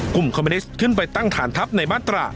กลุ่มคอมมินิสต์ขึ้นไปตั้งฐานทัพในมัตระ